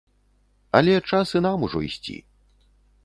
Але час і нам ужо ісці!